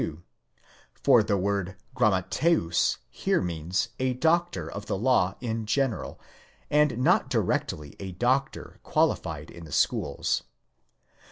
52), for the word γραμματεὺς here means a doctor of the law in general, and not directly a doctor qualified in the schools.